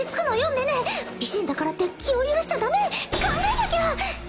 寧々美人だからって気を許しちゃダメ考えなきゃ！